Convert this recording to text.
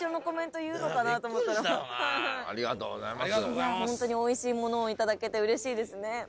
ホントにおいしいものをいただけてうれしいですね。